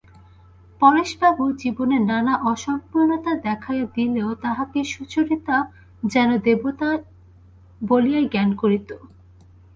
পরেশবাবু জীবনে নানা অসম্পূর্ণতা দেখাইয়া দিলেও তাঁহাকে সুচরিতা যেন দেবতা বলিয়াই জ্ঞান করিত।